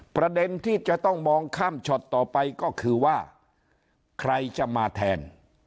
ประเด็นที่จะต้องมองข้ามช็อตต่อไปก็คือว่าใครจะมาแทน